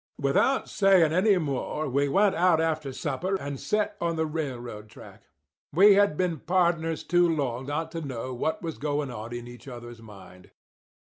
"Without saying any more, we went out after supper and set on the railroad track. We had been pardners too long not to know what was going on in each other's mind.